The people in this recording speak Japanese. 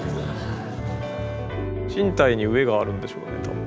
身体に飢えがあるんでしょうね多分。